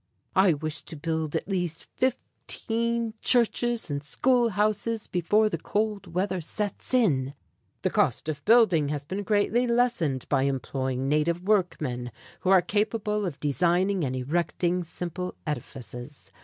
"I wish to build at least fifteen churches and school houses before the cold weather sets in. The cost of building has been greatly lessened by employing native workmen, who are capable of designing and erecting simple edifices.